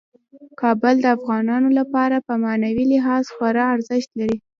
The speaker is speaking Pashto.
کابل د افغانانو لپاره په معنوي لحاظ خورا ارزښت لري.